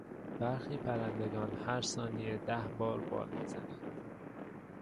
برخی پرندگان هر ثانیه ده بار بال میزنند.